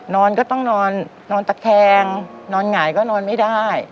นอนก็ต้องนอนนอนตะแคงนอนหงายก็นอนไม่ได้